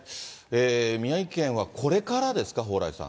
宮城県はこれからですか、蓬莱さん。